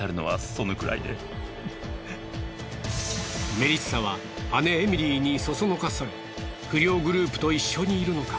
メリッサは姉エミリーにそそのかされ不良グループと一緒にいるのか？